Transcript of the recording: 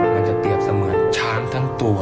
มันจะเปรียบเสมือนช้างทั้งตัว